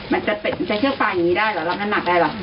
มันจะเป็นใช้เชือกปลายอย่างนี้ได้หรอรับน้ำหนักได้หรอ